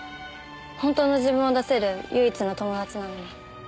本当の自分を出せる唯一の友達なのに。